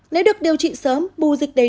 nếu được điều trị sớm bu dịch đầy